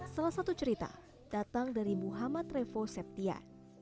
salah satu cerita datang dari muhammad revo septia